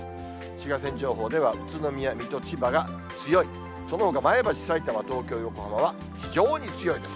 紫外線情報では、宇都宮、水戸、千葉が強い、そのほか前橋、さいたま、東京、横浜は非常に強いです。